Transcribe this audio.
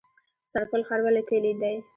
سرپل ښار ولې تیلي دی؟